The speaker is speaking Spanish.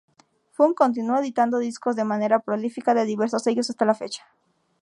Funk continúa editando discos de manera prolífica en diversos sellos hasta la fecha.